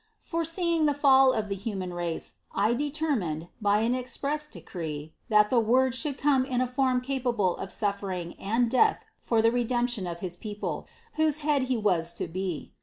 Foreseeing the fall of the human race, I determined, by an express decree, that the Word should come in a form capable of suffering and death for the Redemption of his people, whose head He was to be.